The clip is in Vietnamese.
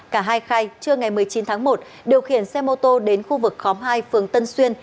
cả hai khai trương ngày một mươi chín tháng một điều khiển xe mô tô đến khu vực khóm hai phường tân xuyên